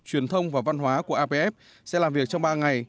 truyền thông và văn hóa của apf sẽ làm việc trong ba ngày